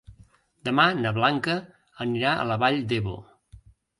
Demà na Blanca anirà a la Vall d'Ebo.